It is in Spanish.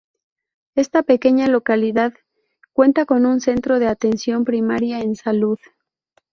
Esta pequeña localidad cuenta con un centro de atención primaria en salud.